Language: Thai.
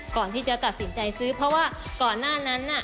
ก่อนที่จะตัดสินใจซื้อเพราะว่าก่อนหน้านั้นน่ะ